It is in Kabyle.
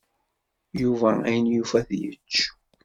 Yuba ayen yufa ad t-yečč.